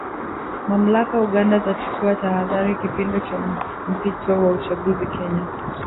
Mamlaka Uganda zachukua tahadhari kipindi cha mpito wa uchaguzi Kenya